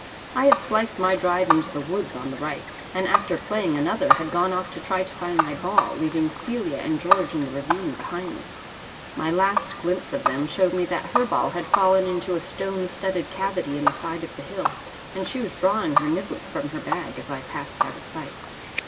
I had sliced my drive into the woods on the right, and after playing another had gone off to try to find my ball, leaving Celia and George in the ravine behind me. My last glimpse of them showed me that her ball had fallen into a stone studded cavity in the side of the hill, and she was drawing her niblick from her bag as I passed out of sight.